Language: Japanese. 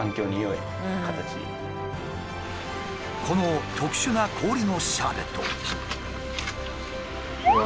この特殊な氷のシャーベット。